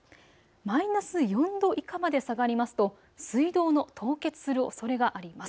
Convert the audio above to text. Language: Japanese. マイナス４度以下まで下がりますと水道の凍結するおそれがあります。